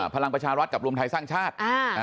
พลังประชารัฐกับรวมไทยสร้างชาติ